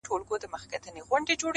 له کهاله مي دي راوړي سلامونه.!